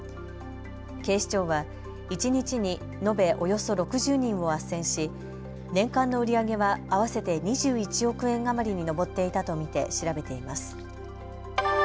警視庁は一日に延べおよそ６０人をあっせんし年間の売り上げは合わせて２１億円余りに上っていたと見て調べています。